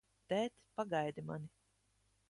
Tēt, pagaidi mani!